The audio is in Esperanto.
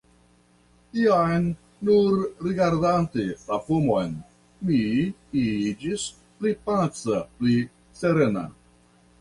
Jam, nur rigardante la fumon, mi iĝis pli paca, pli serena.